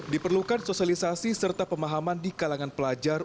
diperlukan sosialisasi serta pemahaman di kalangan pelajar